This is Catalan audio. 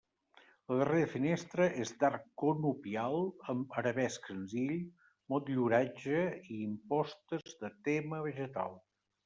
La darrera finestra és d'arc conopial amb arabesc senzill, motlluratge i impostes de tema vegetal.